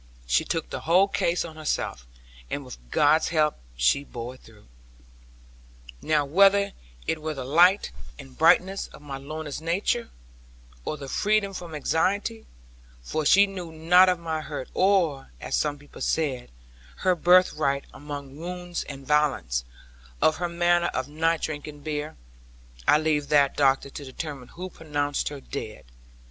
She took the whole case on herself; and with God's help she bore it through. Now whether it were the light and brightness of my Lorna's nature; or the freedom from anxiety for she knew not of my hurt; or, as some people said, her birthright among wounds and violence, or her manner of not drinking beer I leave that doctor to determine who pronounced her dead.